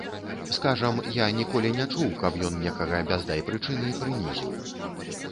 Скажам, я ніколі не чуў, каб ён некага без дай прычыны прынізіў.